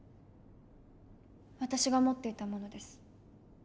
私が持っていたものです。